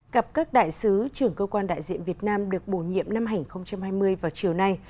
gặp các đại sứ trưởng cơ quan đại diện việt nam được bổ nhiệm năm hai nghìn hai mươi vào chiều nay